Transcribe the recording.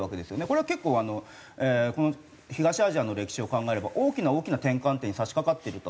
これは結構この東アジアの歴史を考えれば大きな大きな転換点に差しかかっていると。